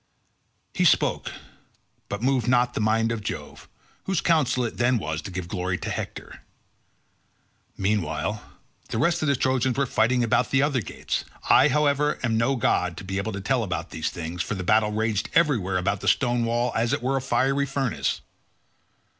He spoke, but moved not the mind of Jove, whose counsel it then was to give glory to Hector. Meanwhile the rest of the Trojans were fighting about the other gates; I, however, am no god to be able to tell about all these things, for the battle raged everywhere about the stone wall as it were a fiery furnace.